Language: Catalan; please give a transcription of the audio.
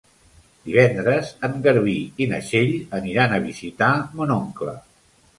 Divendres en Garbí i na Txell aniran a visitar mon oncle.